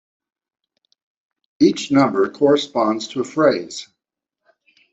Each number corresponds to a phrase.